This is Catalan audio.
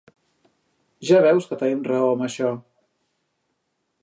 Ja veus que tenim raó amb això!